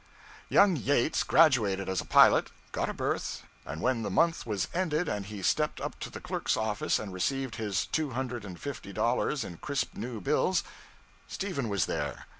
Young Yates graduated as a pilot, got a berth, and when the month was ended and he stepped up to the clerk's office and received his two hundred and fifty dollars in crisp new bills, Stephen was there!